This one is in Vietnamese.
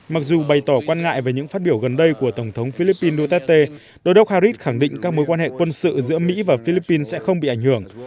mặc dù bày tỏ quan ngại về những phát biểu gần đây của tổng thống philippines duterte đô đốc harris khẳng định các mối quan hệ quân sự giữa mỹ và philippines sẽ không bị ảnh hưởng